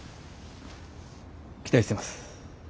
期待してます。